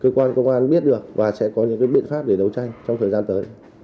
cơ quan công an biết được và sẽ có những biện pháp để đấu tranh trong thời gian tới